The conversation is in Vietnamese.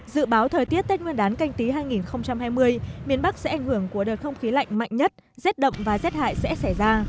dự báo thời tiết tết nguyên đán canh tí hai nghìn hai mươi miền bắc sẽ ảnh hưởng của đợt không khí lạnh mạnh nhất rét đậm và rét hại sẽ xảy ra